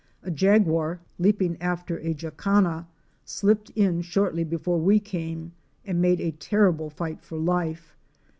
A jaguar, leaping after a Jacana, slipped in shortly before we came and made a terrible fight for life.